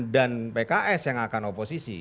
dan pks yang akan oposisi